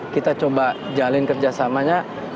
kita coba jalin kerjasamanya